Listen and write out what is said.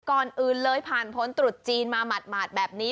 ก่อนอื่นเลยผ่านพ้นตรุษจีนมาหมาดแบบนี้